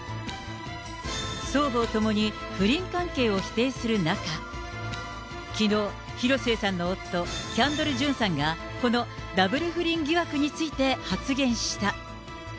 双方ともに不倫関係を否定する中、きのう、広末さんの夫、キャンドル・ジュンさんが、このダブル不倫疑惑について発言した。